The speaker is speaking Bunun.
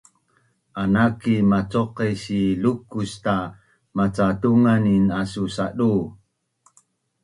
anaki macoqes si Lukusta maca tunganin asu sadu